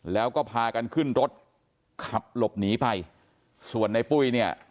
แล้วก็พากันขึ้นรถขับหลบหนีไปส่วนในปุ้ยเนี่ย